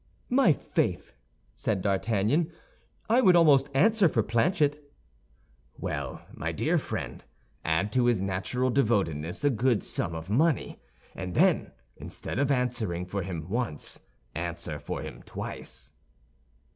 "My faith," said D'Artagnan. "I would almost answer for Planchet." "Well, my dear friend, add to his natural devotedness a good sum of money, and then, instead of answering for him once, answer for him twice."